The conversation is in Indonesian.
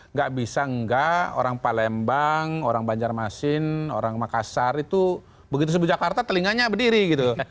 nggak bisa enggak orang palembang orang banjarmasin orang makassar itu begitu sebut jakarta telinganya berdiri gitu